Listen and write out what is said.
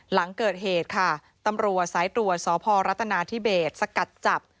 หลังเกิดเหตุค่ะตำรวจสายตรวจสพรัฐนาธิเบสสกัดจับ